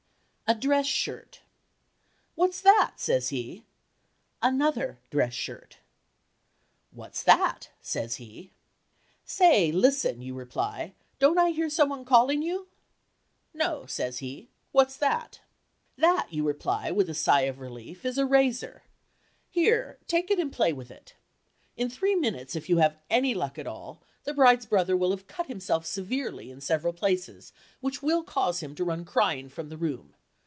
"A dress shirt." "What's that?" says he. "Another dress shirt." "What's that?" says he. "Say, listen," you reply, "don't I hear some one calling you?" "No," says he, "what's that?" "That," you reply, with a sigh of relief, "is a razor. Here—take it and play with it." In three minutes, if you have any luck at all, the bride's brother will have cut himself severely in several places which will cause him to run crying from the room.